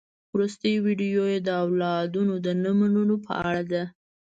وروستۍ ويډيو يې د اولادونو د نه منلو په اړه ده.